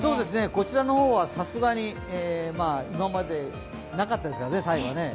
こちらの方はさすがに今までなかったですからね。